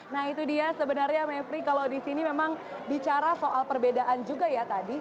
nah itu dia sebenarnya mevri kalau di sini memang bicara soal perbedaan juga ya tadi